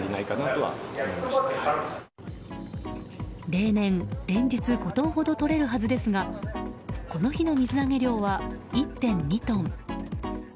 例年、連日５トンほどとれるはずですがこの日の水揚げ量は１．２トン。